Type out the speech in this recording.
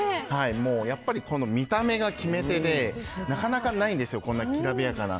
もう、この見た目が決め手でなかなかないんですこんなきらびやかな。